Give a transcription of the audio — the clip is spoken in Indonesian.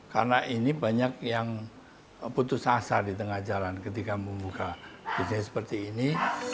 karena ini banyak yang putus asa di tengah jalan ketika membuka bisnis seperti ini